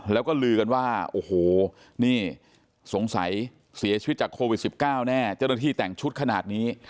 แล้วก็ลือกันว่าโอ้โหนี่สงสัยเสียชีวิตจากโควิด๑๙แน่เจ้าหน้าที่แต่งชุดขนาดนี้